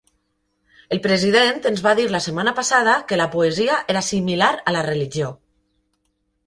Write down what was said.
El president ens va dir la setmana passada que la poesia era similar a la religió.